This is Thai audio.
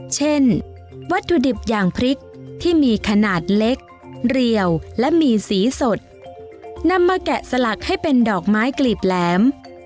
เช่นวัตถุดิบอย่างพริกที่มีขนาดเล็กเรียวและมีสีสดนำมาแกะสลักให้เป็นดอกไม้กลีบแหลม